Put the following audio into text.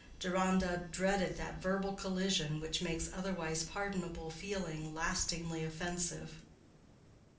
Deronda dreaded that verbal collision which makes otherwise pardonable feeling lastingly offensive.